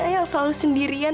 yang selalu sendirian